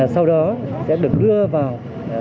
sau đó sẽ được đưa vào